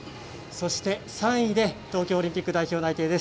３位で東京オリンピック代表内定です。